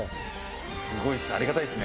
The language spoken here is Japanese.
すごいですね。